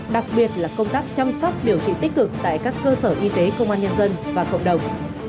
đặc biệt là công tác chăm sóc điều trị tích cực tại các cơ sở y tế công an nhân dân và cộng đồng